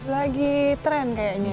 lagi trend kayaknya